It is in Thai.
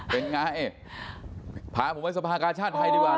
เป็นไงพาผมไปสภากาชาติไทยดีกว่า